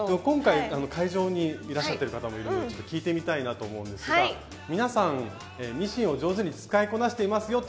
今回会場にいらっしゃってる方もいろいろ聞いてみたいなと思うんですが皆さんミシンを上手に使いこなしています